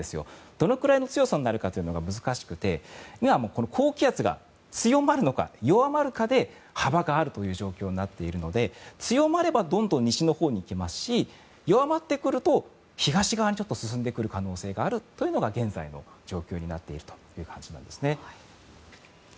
どのくらいの強さになるのかが難しくて高気圧が強まるのか弱まるのかで幅があるという状況になっているので強まればどんどん西のほうに行きますし弱まってくると、東側へ進んでくる可能性があるのが現在の状況になっているという感じなんですね。